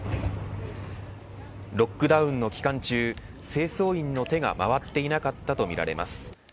ロックダウンの期間中清掃員の手が回っていなかったとみられます。